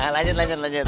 lanjut lanjut lanjut